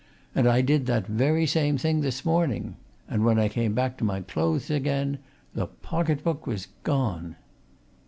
And I did that very same thing this morning and when I came to my clothes again, the pocket book was gone!"